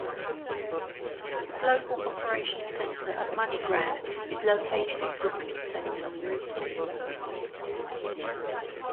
The Global Operations Center of MoneyGram is located in Brooklyn Center.